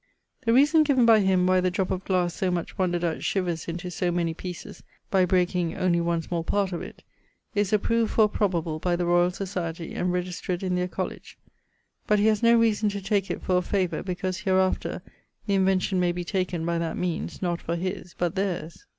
'The reason given by him, why the drop of glasse so much wondred at shivers into so many pieces by breaking only one small part of it, is approved for probable by the Royall Societie and registred in their colledge:[CV.] but he has no reason to take it for a favour, because hereafter the invention may be taken, by that means, not for his, but theirs.'